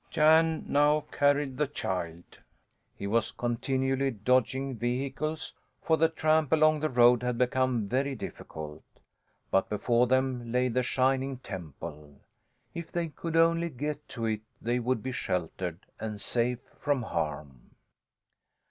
Jan now carried the child. He was continually dodging vehicles, for the tramp along the road had become very difficult. But before them lay the shining temple; if they could only get to it they would be sheltered, and safe from harm.